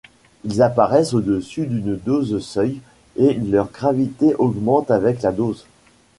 Ils apparaissent au dessus d'une dose seuil et leur gravité augmente avec la dose.